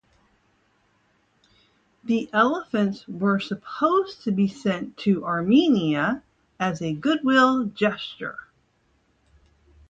The elephants were supposed to be sent to Armenia as a goodwill gesture.